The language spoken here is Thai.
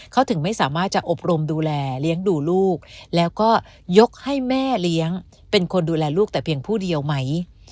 เขาถึงไม่สามารถจะอบรมดูแลเลี้ยงดูลูกแล้วก็ยกให้แม่เลี้ยงเป็นคนดูแลลูกแต่เพียงผู้เดียวไหม